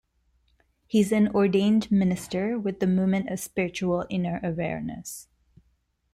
He is an ordained minister with the Movement of Spiritual Inner Awareness.